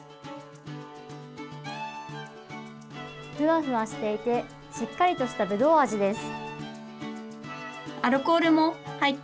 ふわふわしていてしっかりとしたぶどう味です。